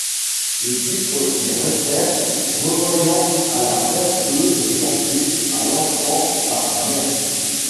Le titre y réfère, renvoyant à la berceuse chantée à l’enfant par sa mère.